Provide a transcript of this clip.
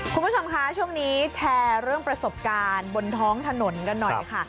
คุณผู้ชมคะช่วงนี้แชร์เรื่องประสบการณ์บนท้องถนนกันหน่อยค่ะ